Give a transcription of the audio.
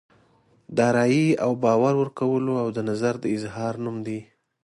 د رایې او باور ورکولو او د نظر د اظهار نوم دی.